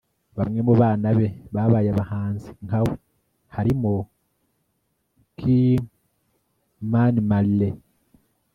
Bamwe mu bana be babaye abahanzi nka we harimo ‘Ky-Mani Marley’